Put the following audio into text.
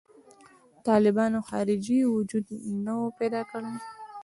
طالبانو خارجي وجود نه و پیدا کړی.